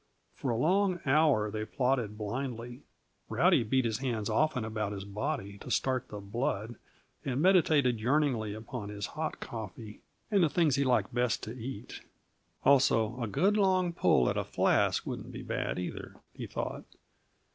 For a long hour they plodded blindly. Rowdy beat his hands often about his body to start the blood, and meditated yearnigly upon hot coffee and the things he liked best to eat. Also, a good long pull at a flask wouldn't be had, either, he thought.